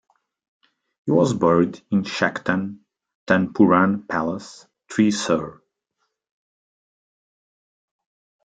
He was buried in Shakthan Thampuran Palace, Thrissur.